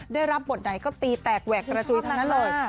ได้รับบทใดก็ตีแตกแหวกกระจุยทั้งนั้นเลย